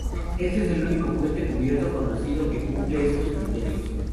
Este es el único puente cubierto conocido que cumple estos criterios.